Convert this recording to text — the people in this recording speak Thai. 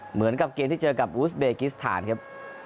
เหมือนกับเกมที่เจอกับอูสเบกิสถานครับ